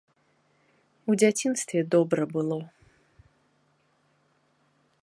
У дзяцінстве добра было.